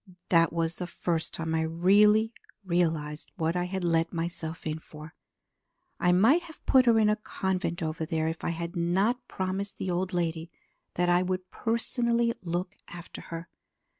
That was the first time I really realized what I had let myself in for. I might have put her in a convent over there if I had not promised the old lady that I would personally look after her.